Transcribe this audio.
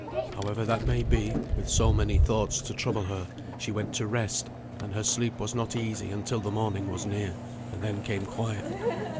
However that may be, with so many thoughts to trouble her she went to rest, and her sleep was not easy until the morning was near, and then came quiet.